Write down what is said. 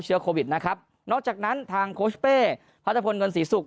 โควิดนะครับนอกจากนั้นทางโคชเป้พัทพลเงินศรีศุกร์